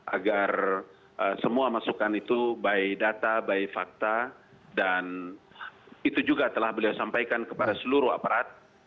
agar semua masukan itu by data by fakta dan itu juga telah beliau sampaikan kepada seluruh aparat